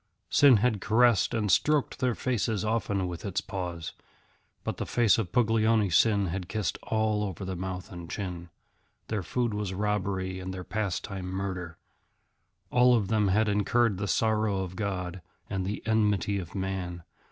Sin had caressed and stroked their faces often with its paws, but the face of Puglioni Sin had kissed all over the mouth and chin. Their food was robbery and their pastime murder. All of them had incurred the sorrow of God and the enmity of man.